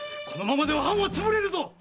このままでは藩はつぶれるぞ！